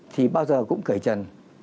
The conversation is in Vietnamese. thì bao giờ cũng cởi trần